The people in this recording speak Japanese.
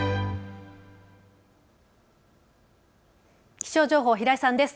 気象情報、平井さんです。